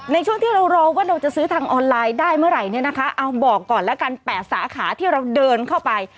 ในช่วงที่เรารอว่าเราจะซื้อทางออนไลน์ได้เมื่อไหร่เนี่ยนะคะเอาบอกก่อนแล้วกัน๘สาขาที่เราเดินเข้าไป